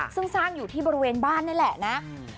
ซึ่งสร้างอยู่ที่บริเวณบ้านนี่แหละนะ